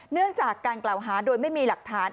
เนื่องจากการกล่าวหาโดยไม่มีหลักฐาน